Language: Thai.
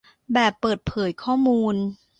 แบบเปิดเผยข้อมูล